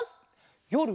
よる